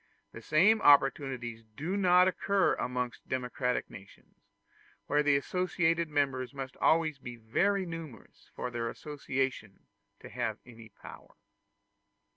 The same opportunities do not occur amongst democratic nations, where the associated members must always be very numerous for their association to have any power.